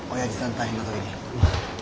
大変な時に。